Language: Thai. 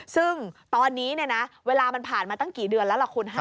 ซึ่งตอนนี้เวลามันผ่านมาตั้งกี่เดือนแล้วล่ะคุณ